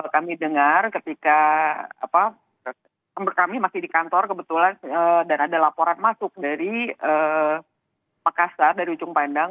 kami dengar ketika kami masih di kantor kebetulan dan ada laporan masuk dari makassar dari ujung pandang